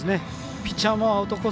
ピッチャーもアウトコース